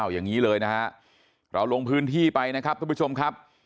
อย่างนี้เลยนะฮะเราลงพื้นที่ไปนะครับทุกผู้ชมครับ